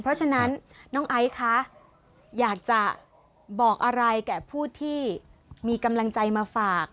เพราะฉะนั้นน้องไอซ์คะอยากจะบอกอะไรแก่ผู้ที่มีกำลังใจมาฝาก